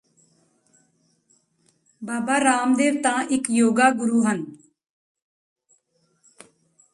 ਬਾਬਾ ਰਾਮਦੇਵ ਤਾਂ ਇਕ ਯੋਗਾ ਗੁਰੁ ਹਨ